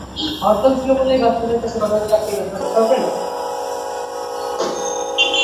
হরতাল ছিল বলেই বাচ্চাদের কাছে ঘটনাটাকে আপনি ব্যাখ্যা করতে পারবেন।